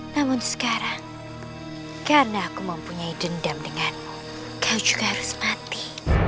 namun sekarang karena aku mempunyai dendam denganmu kau juga harus mati